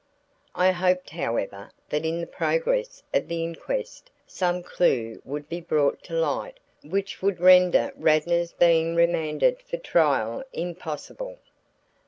I hoped however that in the progress of the inquest, some clue would be brought to light which would render Radnor's being remanded for trial impossible.